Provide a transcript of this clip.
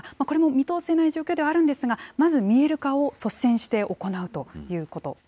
これも見通せない状況ではあるんですが、まず見える化を率先して行うということ。